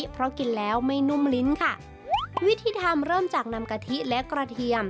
เพราะกินแล้วไม่นุ่มลิ้นค่ะวิธีทำเริ่มจากนำกะทิและกระเทียม